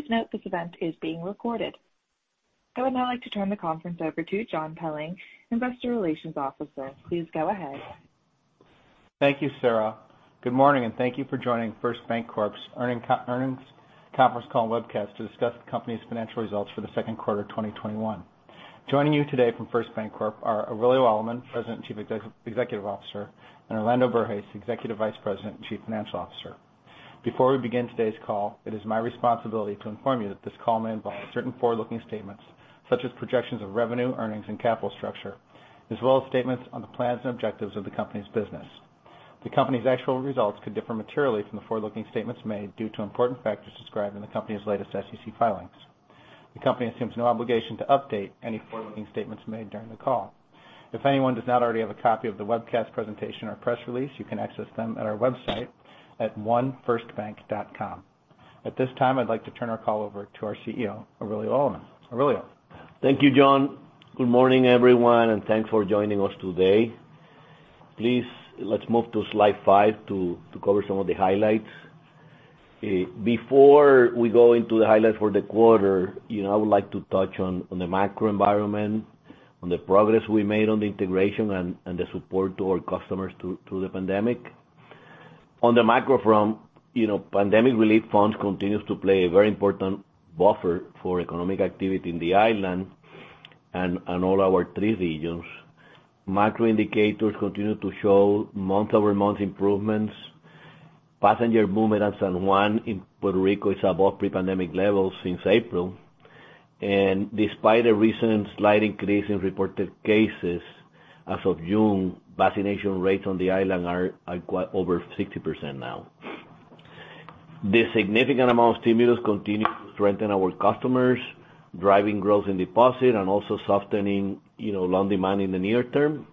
Please note this event is being recorded. I would now like to turn the conference over to John Pelling, investor relations officer. Please go ahead. Thank you, Sarah. Good morning, and thank you for joining First BanCorp's earnings conference call webcast to discuss the company's financial results for the second quarter of 2021. Joining you today from First BanCorp are Aurelio Alemán, President and Chief Executive Officer, and Orlando Berges, Executive Vice President and Chief Financial Officer. Before we begin today's call, it is my responsibility to inform you that this call may involve certain forward-looking statements, such as projections of revenue, earnings, and capital structure, as well as statements on the plans and objectives of the company's business. The company's actual results could differ materially from the forward-looking statements made due to important factors described in the company's latest SEC filings. The company assumes no obligation to update any forward-looking statements made during the call. If anyone does not already have a copy of the webcast presentation or press release, you can access them at our website at 1firstbank.com. At this time, I'd like to turn our call over to our CEO, Aurelio Alemán. Aurelio. Thank you, John. Good morning, everyone, and thanks for joining us today. Please, let's move to slide five to cover some of the highlights. Before we go into the highlights for the quarter, I would like to touch on the macro environment, on the progress we made on the integration, and the support to our customers through the pandemic. On the macro front, pandemic relief funds continue to play a very important buffer for economic activity in the island and all our three regions. Macro indicators continue to show month-over-month improvements. Passenger movement at San Juan in Puerto Rico is above pre-pandemic levels since April. Despite a recent slight increase in reported cases as of June, vaccination rates on the island are over 60% now. The significant amount of stimulus continues to strengthen our customers, driving growth in deposit and also softening loan demand in the near term.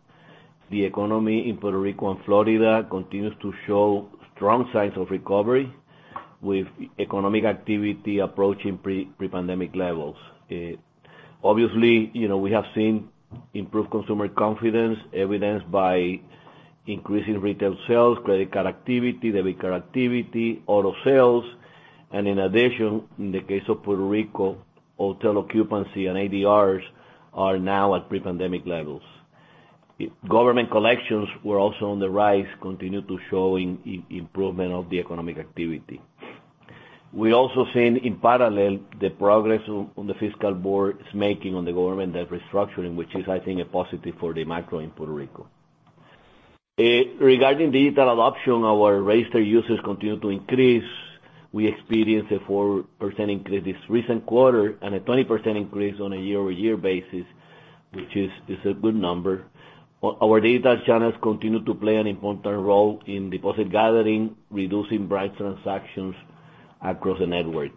The economy in Puerto Rico and Florida continues to show strong signs of recovery, with economic activity approaching pre-pandemic levels. Obviously, we have seen improved consumer confidence evidenced by increasing retail sales, credit card activity, debit card activity, auto sales. In addition, in the case of Puerto Rico, hotel occupancy and ADR are now at pre-pandemic levels. Government collections were also on the rise, continue to show improvement of the economic activity. We also seen in parallel the progress on the fiscal board is making on the government debt restructuring, which is, I think, a positive for the macro in Puerto Rico. Regarding digital adoption, our registered users continue to increase. We experienced a 4% increase this recent quarter and a 20% increase on a year-over-year basis, which is a good number. Our data channels continue to play an important role in deposit gathering, reducing branch transactions across the network.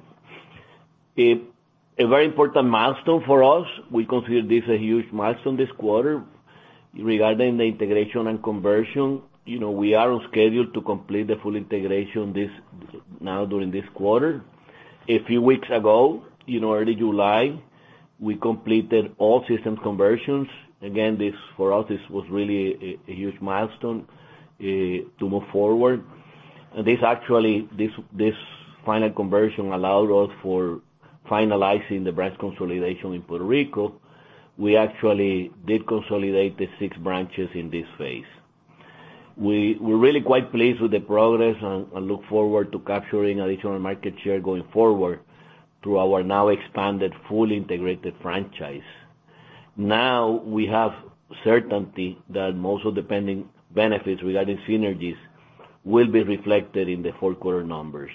A very important milestone for us, we consider this a huge milestone this quarter regarding the integration and conversion. We are on schedule to complete the full integration now during this quarter. A few weeks ago, early July, we completed all system conversions. For us, this was really a huge milestone to move forward. This final conversion allowed us for finalizing the branch consolidation in Puerto Rico. We actually did consolidate the six branches in this phase. We're really quite pleased with the progress and look forward to capturing additional market share going forward through our now expanded, fully integrated franchise. We have certainty that most of the pending benefits regarding synergies will be reflected in the fourth quarter numbers.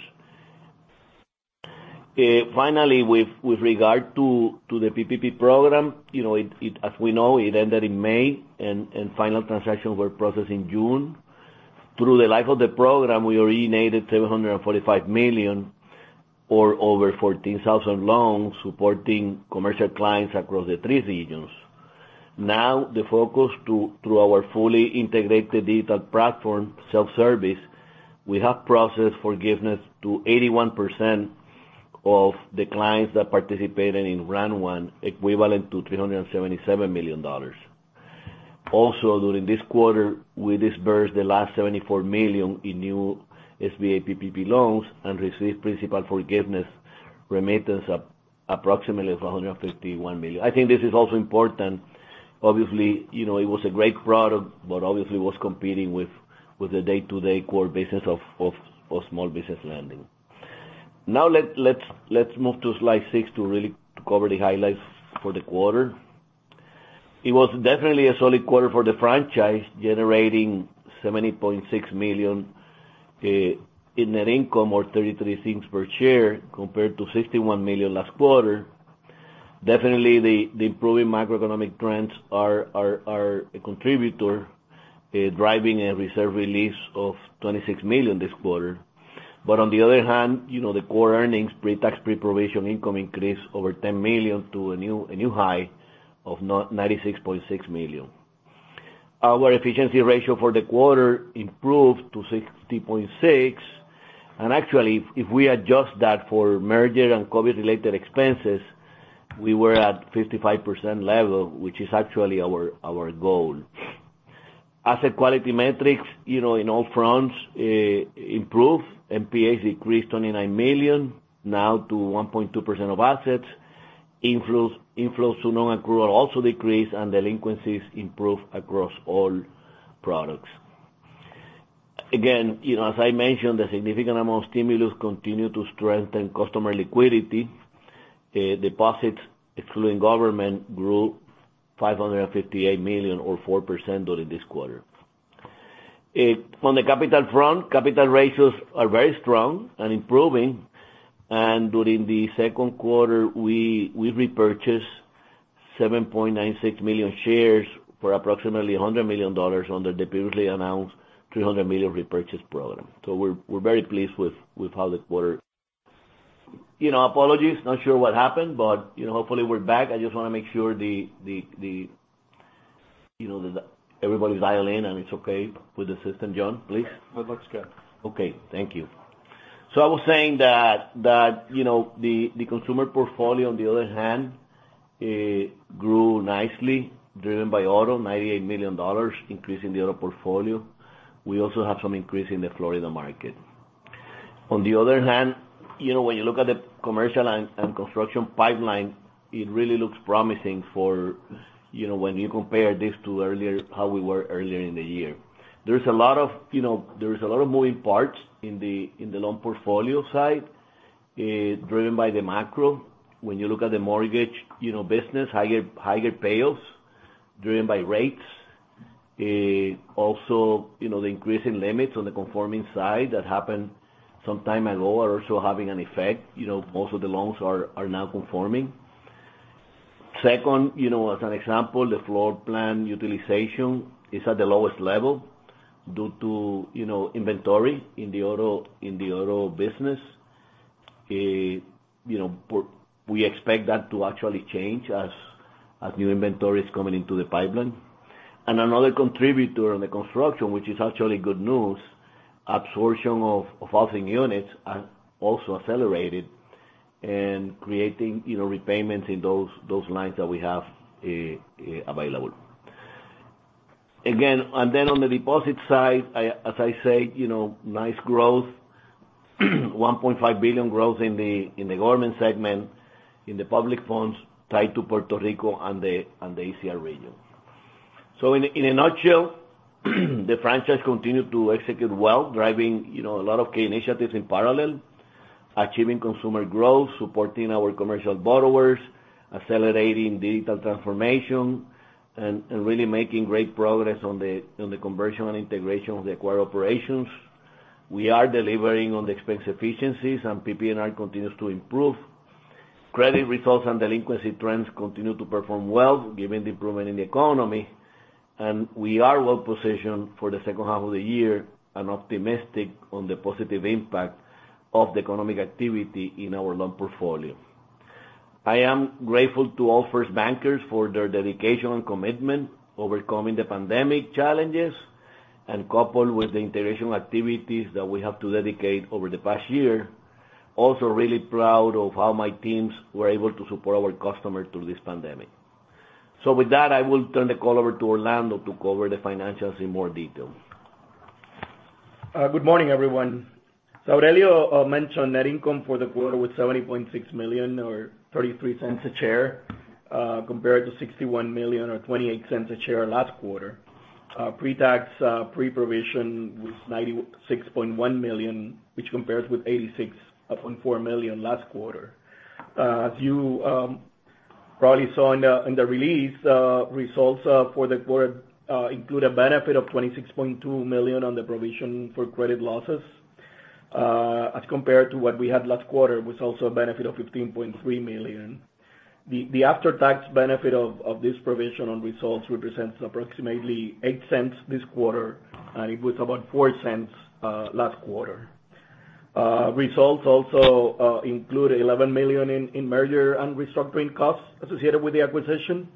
Finally, with regard to the PPP program, as we know, it ended in May, and final transactions were processed in June. Through the life of the program, we originated $745 million or over 14,000 loans supporting commercial clients across the three regions. The focus through our fully integrated digital platform self-service, we have processed forgiveness to 81% of the clients that participated in Round 1, equivalent to $377 million. During this quarter, we disbursed the last $74 million in new SBA PPP loans and received principal forgiveness remittance of approximately $151 million. I think this is also important. Obviously, it was a great product, but obviously was competing with the day-to-day core business of small business lending. Let's move to slide six to really cover the highlights for the quarter. It was definitely a solid quarter for the franchise, generating $70.6 million in net income or $0.33 per share compared to $61 million last quarter. Definitely, the improving macroeconomic trends are a contributor, driving a reserve release of $26 million this quarter. On the other hand, the core earnings pre-tax, pre-provision income increased over $10 million to a new high of $96.6 million. Our efficiency ratio for the quarter improved to 60.6%. Actually, if we adjust that for merger and COVID-related expenses, we were at 55% level, which is actually our goal. Asset quality metrics in all fronts improve. NPAs decreased $29 million now to 1.2% of assets. Inflows to non-accrual also decreased, and delinquencies improved across all products. Again, as I mentioned, the significant amount of stimulus continued to strengthen customer liquidity. Deposits, excluding government, grew $558 million or 4% during this quarter. On the capital front, capital ratios are very strong and improving. During the second quarter, we repurchased 7.96 million shares for approximately $100 million under the previously announced $300 million repurchase program. We're very pleased with how the quarter. Apologies, not sure what happened, but hopefully we're back. I just want to make sure that everybody's dialed in and it's okay with the system, John, please. It looks good. Okay, thank you. I was saying that the consumer portfolio, on the other hand, grew nicely, driven by auto, $98 million increase in the auto portfolio. We also have some increase in the Florida market. On the other hand, when you look at the commercial and construction pipeline, it really looks promising for when you compare this to how we were earlier in the year. There is a lot of moving parts in the loan portfolio side, driven by the macro. When you look at the mortgage business, higher payoffs driven by rates. The increase in limits on the conforming side that happened some time ago are also having an effect. Most of the loans are now conforming. Second, as an example, the floor plan utilization is at the lowest level due to inventory in the auto business. We expect that to actually change as new inventory is coming into the pipeline. Another contributor on the construction, which is actually good news, absorption of housing units also accelerated in creating repayments in those lines that we have available. Again, on the deposit side, as I said, nice growth, $1.5 billion growth in the government segment, in the public funds tied to Puerto Rico and the USVI region. In a nutshell, the franchise continued to execute well, driving a lot of key initiatives in parallel. Achieving consumer growth, supporting our commercial borrowers, accelerating digital transformation, and really making great progress on the conversion and integration of the acquired operations. We are delivering on the expense efficiencies and PPNR continues to improve. Credit results and delinquency trends continue to perform well given the improvement in the economy. We are well positioned for the second half of the year and optimistic on the positive impact of the economic activity in our loan portfolio. I am grateful to all First Bankers for their dedication and commitment, overcoming the pandemic challenges, and coupled with the integration activities that we have to dedicate over the past year. Really proud of how my teams were able to support our customers through this pandemic. With that, I will turn the call over to Orlando to cover the financials in more detail. Good morning, everyone. Aurelio mentioned net income for the quarter was $70.6 million or $0.33 a share, compared to $61 million or $0.28 a share last quarter. Pre-tax, pre-provision was $96.1 million, which compares with $86.4 million last quarter. As you probably saw in the release, results for the quarter include a benefit of $26.2 million on the provision for credit losses, as compared to what we had last quarter, was also a benefit of $15.3 million. The after-tax benefit of this provision on results represents approximately $0.08 this quarter, and it was about $0.04 last quarter. Results also include $11 million in merger and restructuring costs associated with the acquisition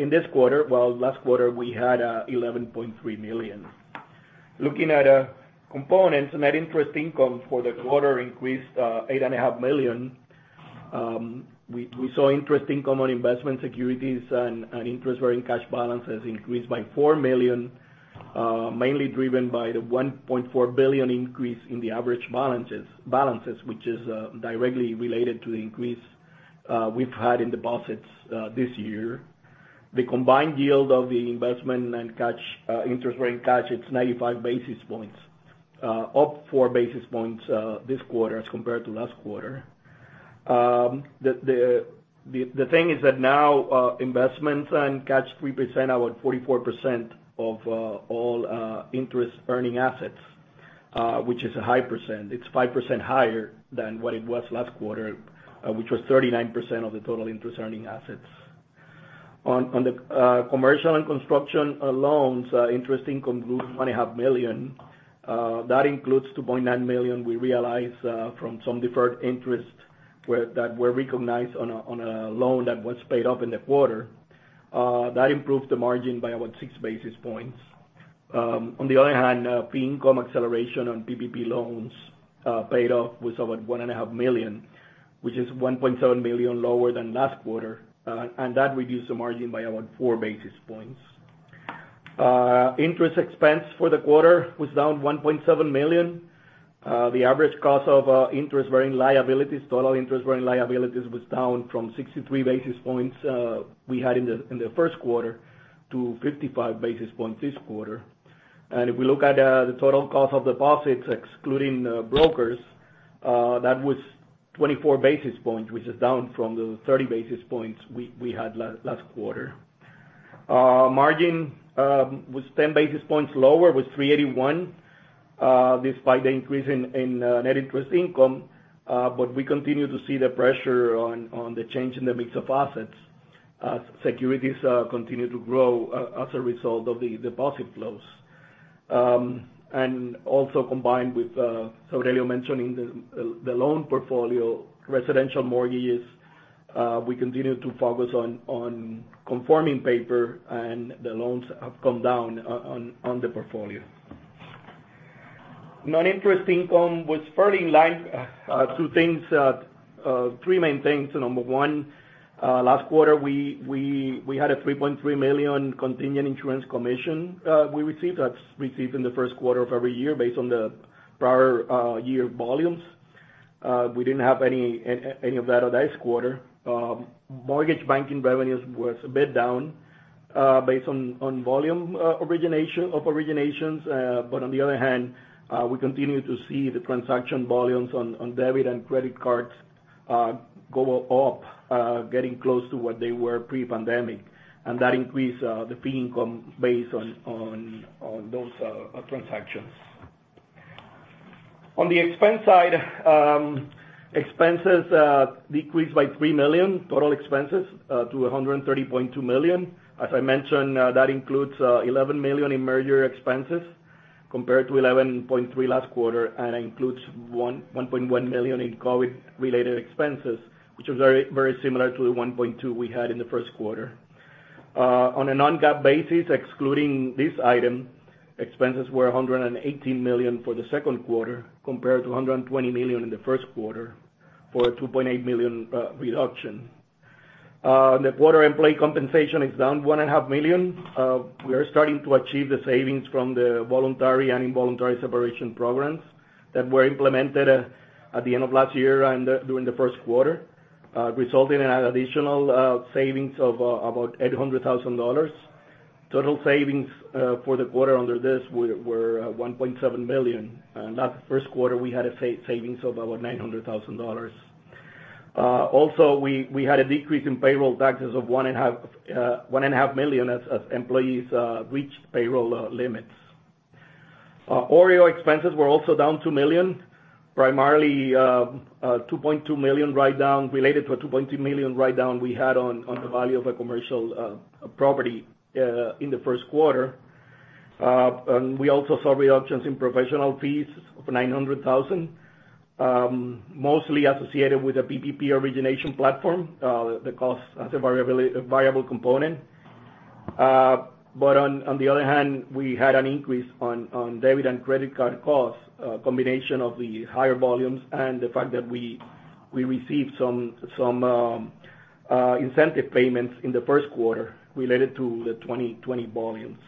in this quarter, while last quarter we had $11.3 million. Looking at components, net interest income for the quarter increased $8.5 million. We saw interest income on investment securities and interest-bearing cash balances increase by $4 million, mainly driven by the $1.4 billion increase in the average balances, which is directly related to the increase we've had in deposits this year. The combined yield of the investment and interest-bearing cash, it's 95 basis points, up 4 basis points this quarter as compared to last quarter. The thing is that now investments and cash represent about 44% of all interest-earning assets, which is a high % It's 5% higher than what it was last quarter, which was 39% of the total interest-earning assets. On the commercial and construction loans, interest income grew to $1.5 million. That includes $2.9 million we realized from some deferred interest that were recognized on a loan that was paid up in the quarter. That improved the margin by about 6 basis points. On the other hand, fee income acceleration on PPP loans paid off was about $1.5 million, which is $1.7 million lower than last quarter, and that reduced the margin by about 4 basis points. Interest expense for the quarter was down $1.7 million. The average cost of interest-bearing liabilities, total interest-bearing liabilities was down from 63 basis points we had in the first quarter to 55 basis points this quarter. If we look at the total cost of deposits, excluding brokers, that was 24 basis points, which is down from the 30 basis points we had last quarter. Margin was 10 basis points lower with 381, despite the increase in net interest income. We continue to see the pressure on the change in the mix of assets as securities continue to grow as a result of the deposit flows. Also combined with Aurelio mentioning the loan portfolio, residential mortgages, we continue to focus on conforming paper and the loans have come down on the portfolio. Non-interest income was fairly in line. Three main things. Number one, last quarter, we had a $3.3 million continuing insurance commission we received. That's received in the first quarter of every year based on the prior year volumes. We didn't have any of that on this quarter. Mortgage banking revenues was a bit down based on volume of originations. On the other hand, we continue to see the transaction volumes on debit and credit cards go up, getting close to what they were pre-pandemic. That increased the fee income based on those transactions. On the expense side, expenses decreased by $3 million, total expenses to $130.2 million. As I mentioned, that includes $11 million in merger expenses compared to $11.3 million last quarter, and includes $1.1 million in COVID-related expenses, which was very similar to the $1.2 million we had in the first quarter. On a non-GAAP basis, excluding this item, expenses were $118 million for the second quarter compared to $120 million in the first quarter for a $2.8 million reduction. The quarter employee compensation is down $1.5 million. We are starting to achieve the savings from the voluntary and involuntary separation programs that were implemented at the end of last year and during the first quarter, resulting in additional savings of about $800,000. Total savings for the quarter under this were $1.7 million. That first quarter, we had a savings of about $900,000. Also, we had a decrease in payroll taxes of $1.5 million as employees reached payroll limits. OREO expenses were also down $2 million, primarily related to a $2.2 million write-down we had on the value of a commercial property in the first quarter. We also saw reductions in professional fees of $900,000, mostly associated with the PPP origination platform, the cost as a variable component. On the other hand, we had an increase on debit and credit card costs, a combination of the higher volumes and the fact that we received some incentive payments in the first quarter related to the 2020 volumes.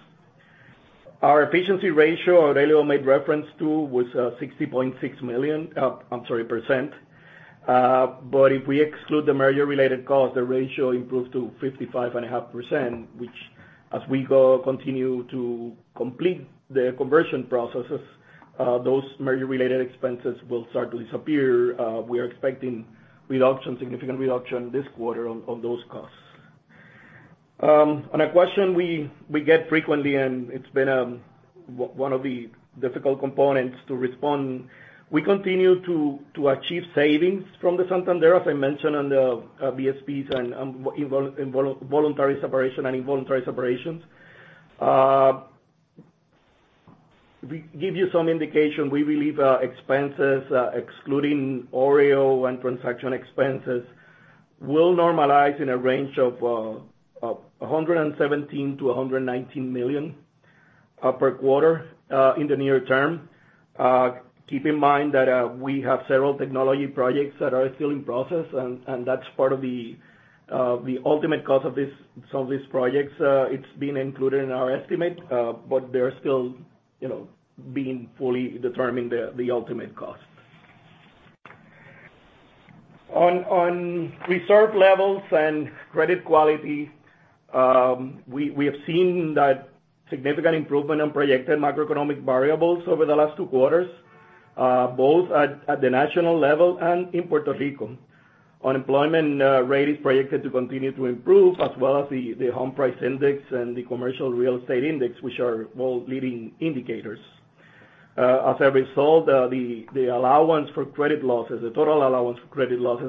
Our efficiency ratio Aurelio made reference to was 60.6%. If we exclude the merger-related cost, the ratio improves to 55.5%, which as we continue to complete the conversion processes, those merger-related expenses will start to disappear. We are expecting significant reduction this quarter on those costs. On a question we get frequently, and it's been one of the difficult components to respond, we continue to achieve savings from the Santander, as I mentioned on the VSPs and voluntary separation and involuntary separations. Give you some indication, we believe expenses, excluding OREO and transaction expenses, will normalize in a range of $117 million-$119 million per quarter in the near term. Keep in mind that we have several technology projects that are still in process, that's part of the ultimate cost of some of these projects. It's been included in our estimate, they're still being fully determining the ultimate cost. On reserve levels and credit quality, we have seen that significant improvement on projected macroeconomic variables over the last two quarters both at the national level and in Puerto Rico. Unemployment rate is projected to continue to improve, as well as the home price index and the commercial real estate index, which are both leading indicators. As a result, the total allowance for credit losses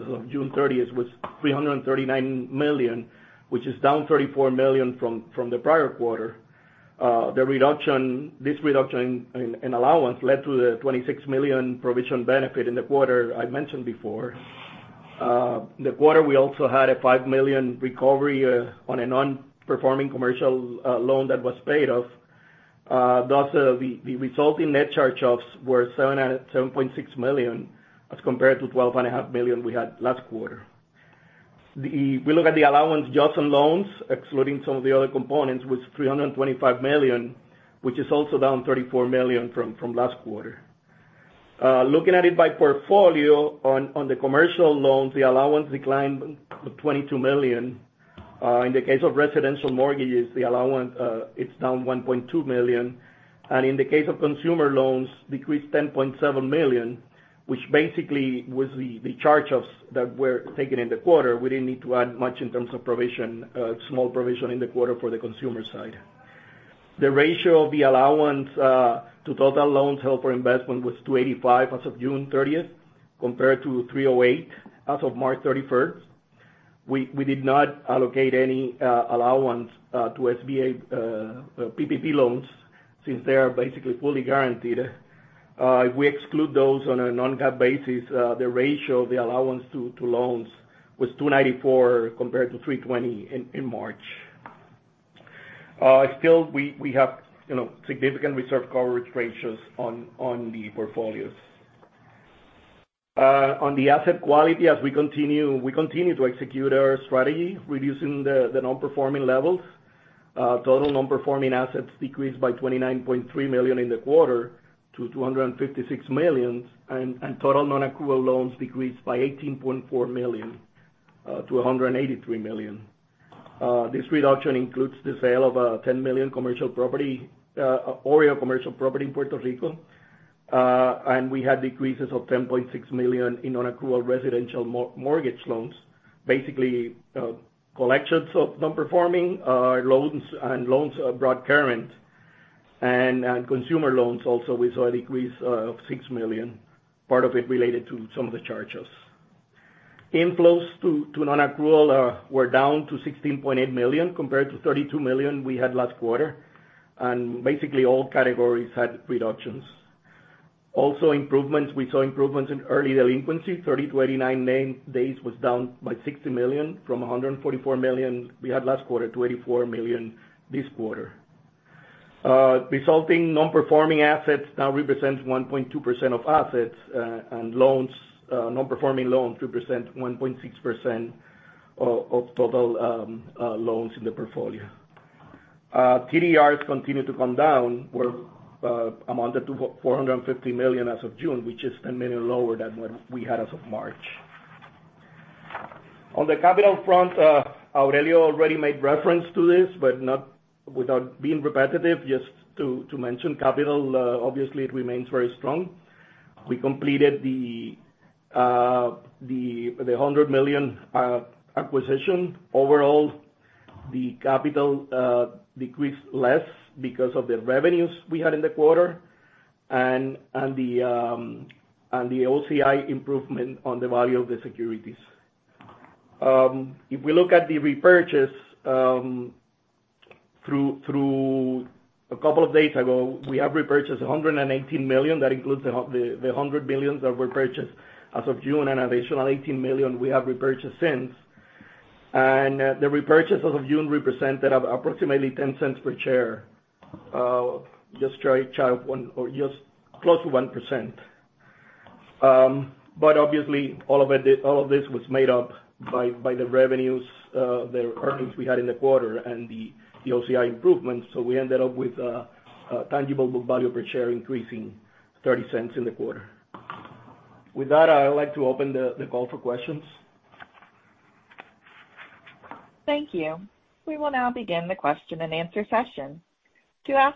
of June 30th was $339 million, which is down $34 million from the prior quarter. This reduction in allowance led to the $26 million provision benefit in the quarter I mentioned before. The quarter, we also had a $5 million recovery on a non-performing commercial loan that was paid off. The resulting net charge-offs were at $7.6 million as compared to $12.5 million we had last quarter. We look at the allowance just on loans, excluding some of the other components, was $325 million, which is also down $34 million from last quarter. Looking at it by portfolio, on the commercial loans, the allowance declined $22 million. In the case of residential mortgages, the allowance, it's down $1.2 million. In the case of consumer loans, decreased $10.7 million, which basically was the charge-offs that were taken in the quarter. We didn't need to add much in terms of small provision in the quarter for the consumer side. The ratio of the allowance to total loans held for investment was 2.85% as of June 30th, compared to 3.08% as of March 31st. We did not allocate any allowance to SBA PPP loans since they are basically fully guaranteed. If we exclude those on a non-GAAP basis, the ratio of the allowance to loans was 2.94% compared to 3.20% in March. Still, we have significant reserve coverage ratios on the portfolios. On the asset quality, as we continue to execute our strategy, reducing the non-performing levels. Total non-performing assets decreased by $29.3 million in the quarter to $256 million. Total non-accrual loans decreased by $18.4 million-$183 million. This reduction includes the sale of a $10 million OREO commercial property in Puerto Rico. We had decreases of $10.6 million in non-accrual residential mortgage loans, basically collections of non-performing loans and loans brought current. Consumer loans also, we saw a decrease of $6 million, part of it related to some of the charge-offs. Inflows to non-accrual were down to $16.8 million compared to $32 million we had last quarter. Basically all categories had reductions. Also improvements, we saw improvements in early delinquency, 30-99 days was down by $60 million from $144 million we had last quarter to $84 million this quarter. Resulting non-performing assets now represents 1.2% of assets, and non-performing loans represent 1.6% of total loans in the portfolio. TDRs continue to come down, were amounted to $450 million as of June, which is $10 million lower than what we had as of March. On the capital front, Aurelio already made reference to this, but without being repetitive, just to mention capital, obviously it remains very strong. We completed the $100 million acquisition. Overall, the capital decreased less because of the revenues we had in the quarter and the OCI improvement on the value of the securities. If we look at the repurchase, through a couple of days ago, we have repurchased $118 million. That includes the $100 million that repurchased as of June and additional $18 million we have repurchased since. The repurchase as of June represented approximately $0.10 per share, just close to 1%. Obviously all of this was made up by the revenues, the earnings we had in the quarter, and the OCI improvements. We ended up with tangible book value per share increasing $0.30 in the quarter. With that, I would like to open the call for questions. Thank you. We will now begin the question-and-answer session. At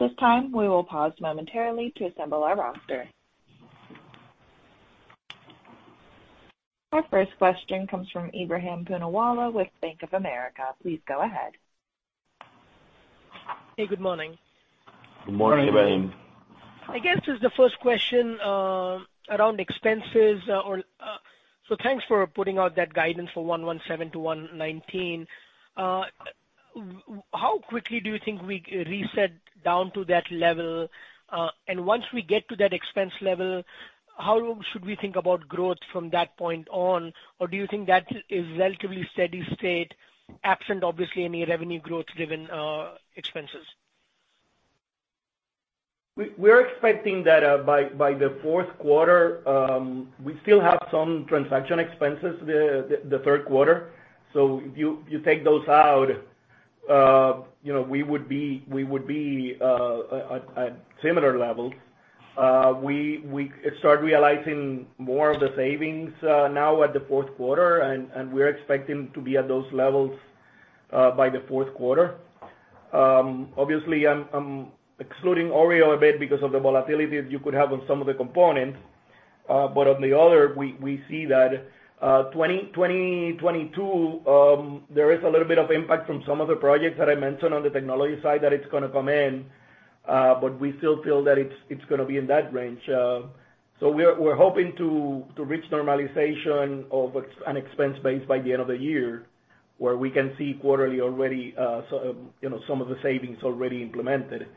this time, we will pause momentarily to assemble our roster. Our first question comes from Ebrahim Poonawala with Bank of America. Please go ahead. Hey, good morning. Good morning, Ebrahim. I guess as the first question around expenses. Thanks for putting out that guidance for $117-$119. How quickly do you think we reset down to that level? Once we get to that expense level, how should we think about growth from that point on? Do you think that is relatively steady state, absent obviously any revenue growth-driven expenses? We're expecting that by the fourth quarter. We still have some transaction expenses the third quarter. If you take those out, we would be at similar levels. We start realizing more of the savings now at the fourth quarter, and we're expecting to be at those levels by the fourth quarter. Obviously, I'm excluding OREO a bit because of the volatility that you could have on some of the components. On the other, we see that 2022, there is a little bit of impact from some of the projects that I mentioned on the technology side that it's going to come in. We still feel that it's going to be in that range. We're hoping to reach normalization of an expense base by the end of the year, where we can see quarterly already some of the savings already implemented.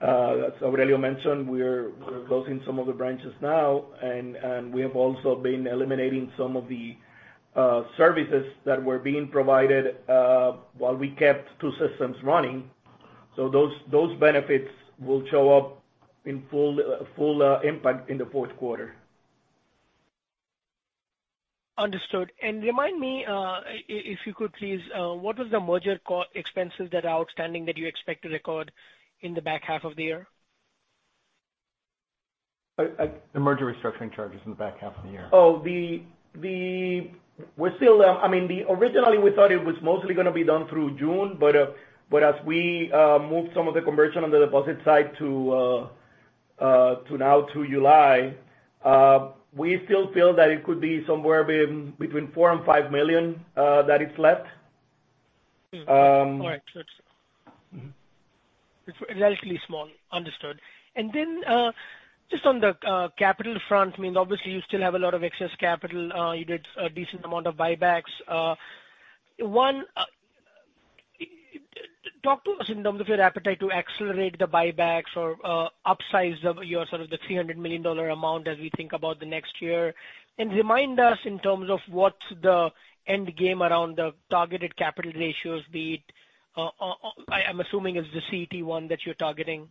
As Aurelio mentioned, we're closing some of the branches now, and we have also been eliminating some of the services that were being provided while we kept two systems running. Those benefits will show up in full impact in the fourth quarter. Understood. Remind me, if you could please, what was the merger expenses that are outstanding that you expect to record in the back half of the year? The merger restructuring charges in the back half of the year. Originally, we thought it was mostly going to be done through June, but as we moved some of the conversion on the deposit side to now to July, we still feel that it could be somewhere between $4 million and $5 million that is left. All right. It's relatively small. Understood. Just on the capital front, obviously you still have a lot of excess capital. You did a decent amount of buybacks. Talk to us in terms of your appetite to accelerate the buybacks or upsize your sort of the $300 million amount as we think about the next year. Remind us in terms of what's the end game around the targeted capital ratios, I'm assuming it's the CET1 that you're targeting.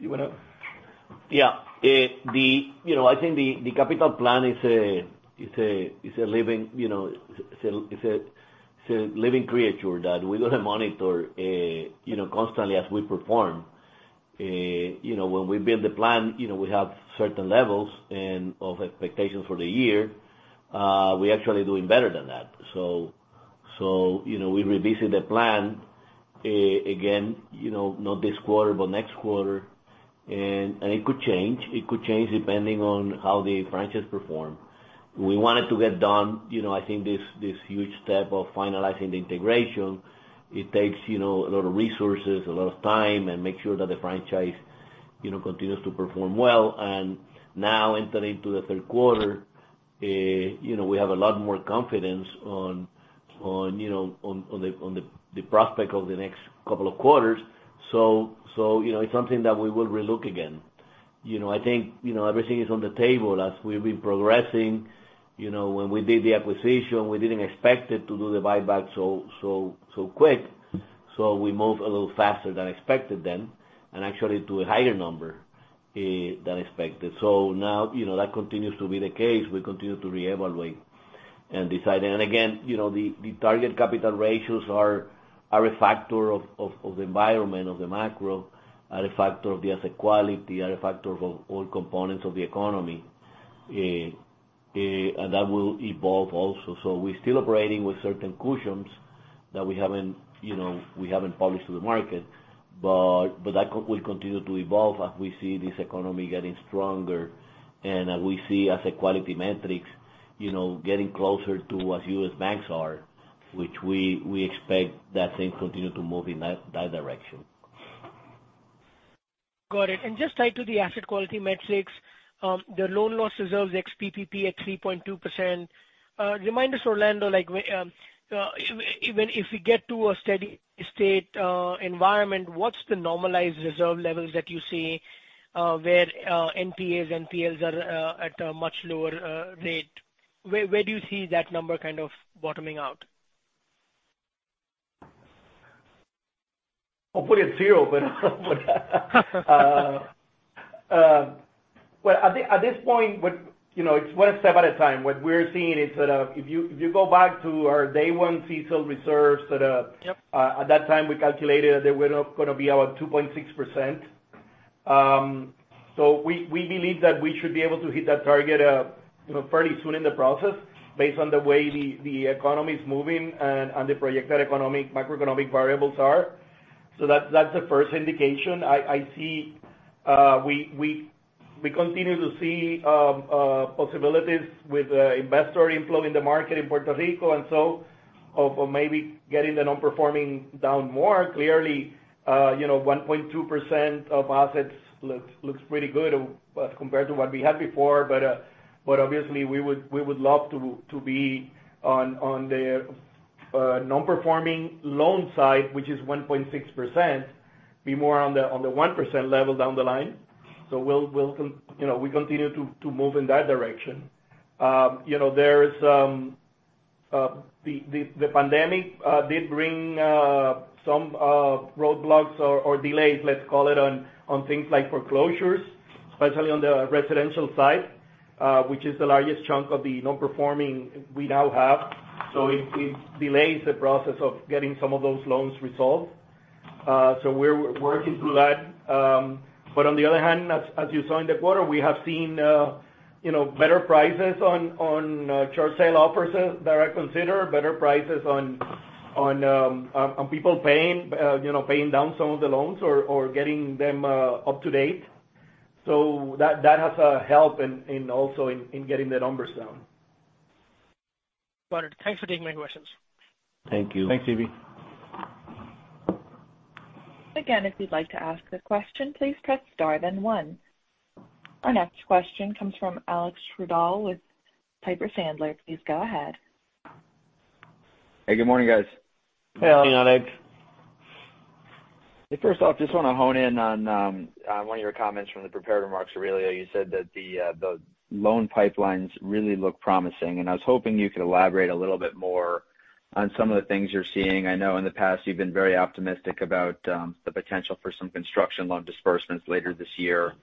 You want to? Yeah. I think the capital plan is a living creature that we're going to monitor constantly as we perform. When we build the plan, we have certain levels and of expectations for the year. We're actually doing better than that. We revisit the plan again, not this quarter, but next quarter, and it could change. It could change depending on how the franchise performs. We wanted to get done I think this huge step of finalizing the integration. It takes a lot of resources, a lot of time, and make sure that the franchise continues to perform well. Now entering into the third quarter, we have a lot more confidence on the prospect of the next couple of quarters. It's something that we will re-look again. I think everything is on the table as we've been progressing. When we did the acquisition, we didn't expect it to do the buyback so quick. We moved a little faster than expected then, and actually do a higher number than expected. Now, that continues to be the case. We continue to reevaluate and decide. Again, the target capital ratios are a factor of the environment, of the macro, are a factor of the asset quality, are a factor of all components of the economy. That will evolve also. We're still operating with certain cushions that we haven't published to the market. That will continue to evolve as we see this economy getting stronger and as we see asset quality metrics getting closer to what U.S. banks are, which we expect that thing continue to move in that direction. Got it. Just tied to the asset quality metrics, the loan loss reserves, the ex-PPP at 3.2%. Remind us, Orlando, if we get to a steady state environment, what is the normalized reserve levels that you see where NPAs, NPLs are at a much lower rate? Where do you see that number kind of bottoming out? Hopefully it's zero. Well, at this point it's one step at a time. What we're seeing is that if you go back to our day one CECL reserves. Yep At that time, we calculated that they were going to be around 2.6%. We believe that we should be able to hit that target fairly soon in the process based on the way the economy's moving and the projected macroeconomic variables are. That's the first indication. We continue to see possibilities with investor inflow in the market in Puerto Rico and so of maybe getting the non-performing down more clearly. 1.2% of assets looks pretty good as compared to what we had before. Obviously we would love to be on the non-performing loan side, which is 1.6%, be more on the 1% level down the line. We continue to move in that direction. The pandemic did bring some roadblocks or delays, let's call it, on things like foreclosures, especially on the residential side, which is the largest chunk of the non-performing we now have. It delays the process of getting some of those loans resolved. We're working through that. On the other hand, as you saw in the quarter, we have seen better prices on short sale offers that are considered, better prices on people paying down some of the loans or getting them up to date. That has helped also in getting the numbers down. Got it. Thanks for taking my questions. Thank you. Thanks, Ebrahim. If you'd like to ask a question, please press star then one. Our next question comes from Alex Twerdahl with Piper Sandler. Please go ahead. Hey, good morning, guys. Hey, Alex. Good morning, Alex. First off, just want to hone in on one of your comments from the prepared remarks, Aurelio. You said that the loan pipelines really look promising. I was hoping you could elaborate a little bit more on some of the things you're seeing. I know in the past you've been very optimistic about the potential for some construction loan disbursements later this year.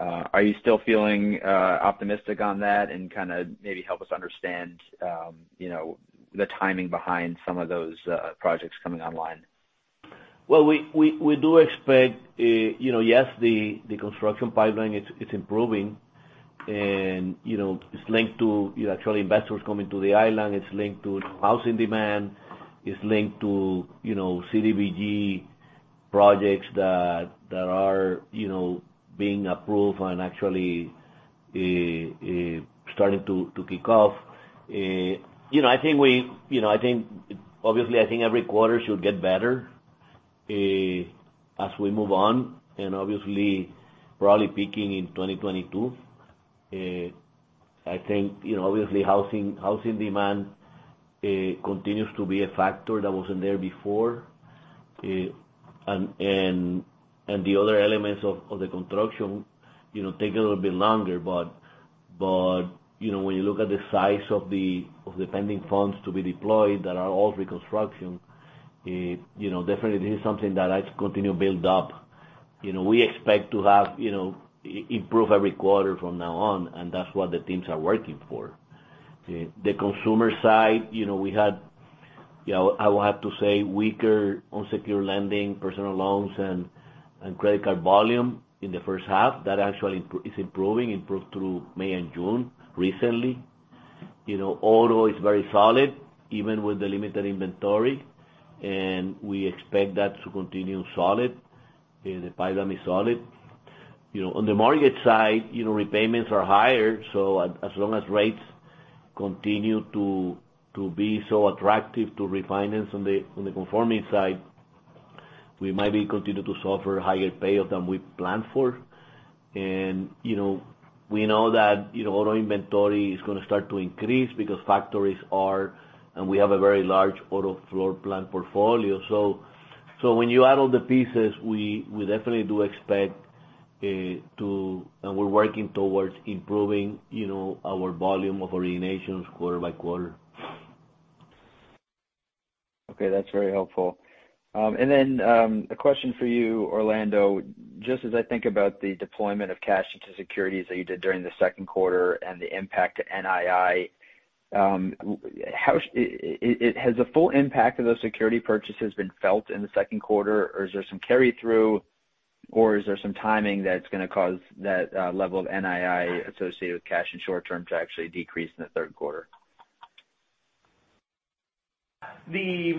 Are you still feeling optimistic on that, kind of maybe help us understand the timing behind some of those projects coming online? Well, we do expect, yes, the construction pipeline is improving and it's linked to actually investors coming to the island. It's linked to housing demand. It's linked to CDBG projects that are being approved and actually starting to kick off. Obviously, I think every quarter should get better as we move on, and obviously probably peaking in 2022. I think, obviously, housing demand continues to be a factor that wasn't there before. The other elements of the construction take a little bit longer, but when you look at the size of the pending funds to be deployed that are all reconstruction, definitely this is something that has continued to build up. We expect to improve every quarter from now on, and that's what the teams are working for. The consumer side, I will have to say, weaker on secure lending, personal loans, and credit card volume in the first half. That actually is improving. Improved through May and June, recently. Auto is very solid, even with the limited inventory, and we expect that to continue solid. The pipeline is solid. On the market side, repayments are higher. As long as rates continue to be so attractive to refinance on the conforming side, we might continue to suffer higher payoff than we planned for. We know that auto inventory is going to start to increase because factories are and we have a very large auto floor plan portfolio. When you add all the pieces, we definitely do expect to, and we're working towards improving our volume of originations quarter by quarter. Okay. That's very helpful. A question for you, Orlando. Just as I think about the deployment of cash into securities that you did during the second quarter and the impact to NII, has the full impact of those security purchases been felt in the second quarter, or is there some carry through, or is there some timing that's going to cause that level of NII associated with cash and short-term to actually decrease in the third quarter? The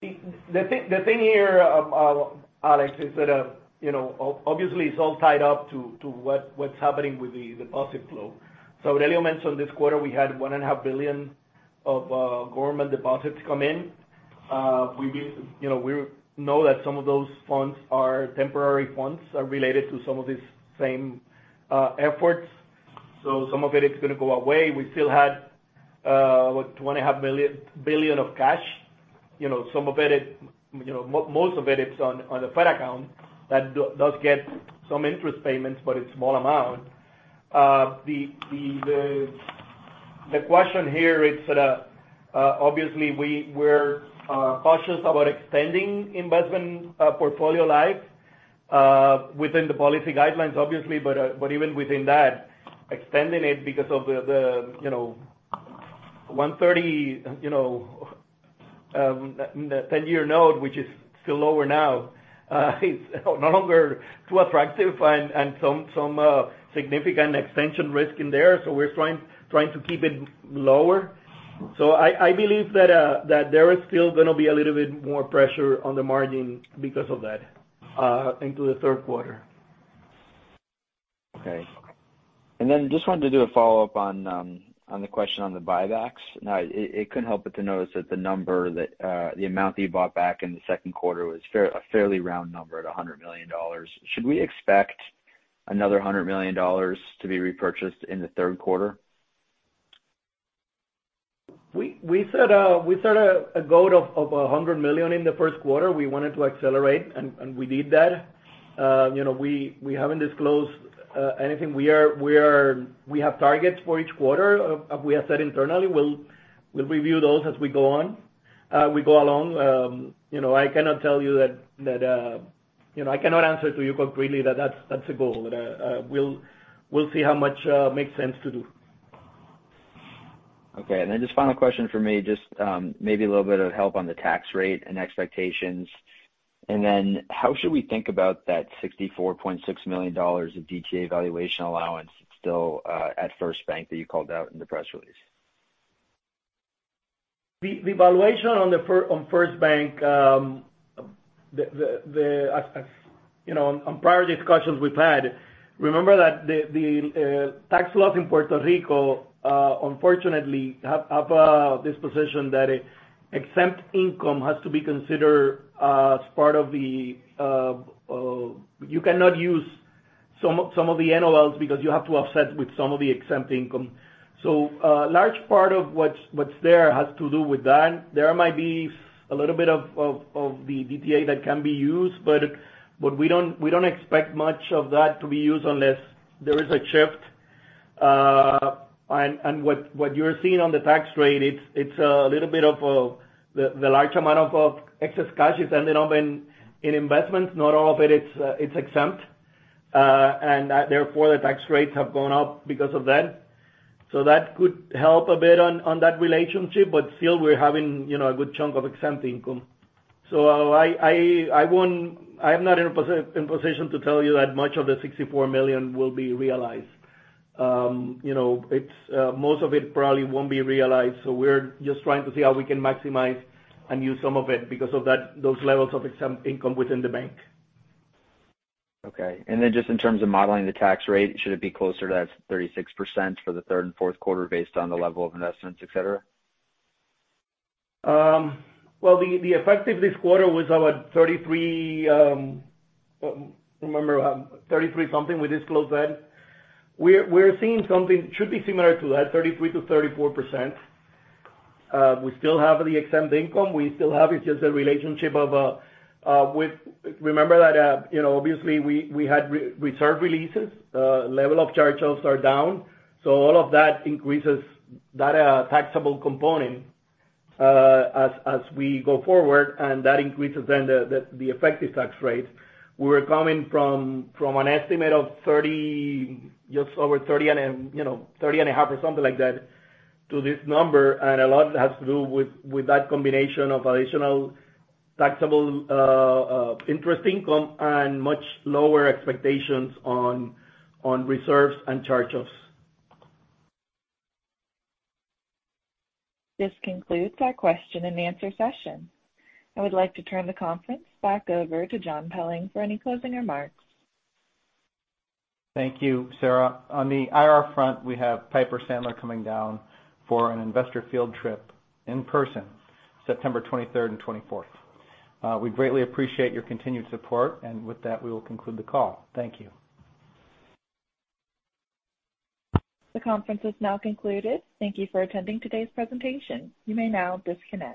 thing here, Alex, is that obviously it's all tied up to what's happening with the deposit flow. Aurelio mentioned this quarter, we had $1.5 billion of government deposits come in. We know that some of those funds are temporary funds, are related to some of these same efforts. Some of it is going to go away. We still had $1.5 billion of cash. Most of it is on the Fed account. That does get some interest payments, but it's small amount. The question here is, obviously we're cautious about extending investment portfolio life within the policy guidelines, obviously, but even within that, extending it because of the 130, 10-year note, which is still lower now. It's no longer too attractive and some significant extension risk in there. We're trying to keep it lower. I believe that there is still going to be a little bit more pressure on the margin because of that into the third quarter. Okay. Just wanted to do a follow-up on the question on the buybacks. Now, I couldn't help but to notice that the amount that you bought back in the second quarter was a fairly round number at $100 million. Should we expect another $100 million to be repurchased in the third quarter? We set a goal of $100 million in the first quarter. We wanted to accelerate, and we did that. We haven't disclosed anything. We have targets for each quarter. We have said internally we'll review those as we go along. I cannot answer to you concretely that that's a goal. We'll see how much makes sense to do. Okay. Just final question for me, just maybe a little bit of help on the tax rate and expectations. How should we think about that $64.6 million of DTA valuation allowance still at FirstBank that you called out in the press release? The valuation on FirstBank, on prior discussions we've had, remember that the tax laws in Puerto Rico, unfortunately, have a disposition that exempt income has to be considered as part of the, you cannot use some of the NOLs because you have to offset with some of the exempt income. A large part of what's there has to do with that. There might be a little bit of the DTA that can be used, but we don't expect much of that to be used unless there is a shift. What you're seeing on the tax rate, it's a little bit of the large amount of excess cash is ending up in investments. Not all of it is exempt. Therefore, the tax rates have gone up because of that. That could help a bit on that relationship, still, we're having a good chunk of exempt income. I'm not in a position to tell you that much of the $64 million will be realized. Most of it probably won't be realized, we're just trying to see how we can maximize and use some of it because of those levels of exempt income within the bank. Okay. Then just in terms of modeling the tax rate, should it be closer to that 36% for the third and fourth quarter based on the level of investments, et cetera? Well, the effective this quarter was our 33%, remember, 33% something we disclosed then. We're seeing something should be similar to that, 33%-34%. We still have the exempt income. We still have it's just a relationship. Remember that obviously, we had reserve releases. Level of charge-offs are down. All of that increases that taxable component as we go forward, and that increases the effective tax rate. We're coming from an estimate of just over 30.5% or something like that to this number, and a lot has to do with that combination of additional taxable interest income and much lower expectations on reserves and charge-offs. This concludes our question-and-answer session. I would like to turn the conference back over to John Pelling for any closing remarks. Thank you, Sarah. On the IR front, we have Piper Sandler coming down for an investor field trip in person, September 23rd and 24th. We greatly appreciate your continued support, and with that, we will conclude the call. Thank you. The conference is now concluded. Thank you for attending today's presentation. You may now disconnect.